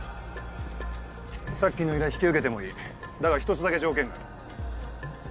さっきの依頼引き受けてもいいだが１つだけ条件がある。